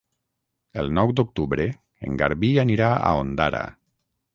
El nou d'octubre en Garbí anirà a Ondara.